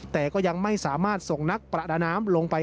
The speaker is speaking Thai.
แต่ก็ยังไม่สามารถส่งนักประดาน้ำลงไป